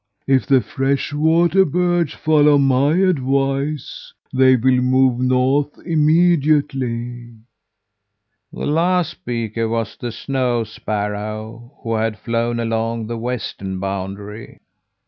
If the fresh water birds follow my advice, they will move north immediately.' "The last speaker was the snow sparrow, who had flown along the western boundary.